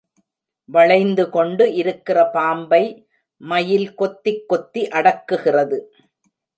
வளைந்து கொண்டு இருக்கிற பாம்பை மயில் கொத்திக் கொத்தி அடக்குகிறது.